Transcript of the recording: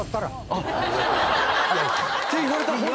って言われたら。